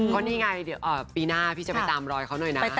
ก็นี่ไงปีหน้าพี่จะไปตามรอยเขาหน่อยนะ